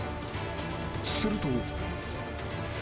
［すると］